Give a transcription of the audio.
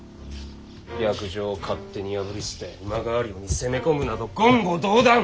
約定を勝手に破り捨て今川領に攻め込むなど言語道断！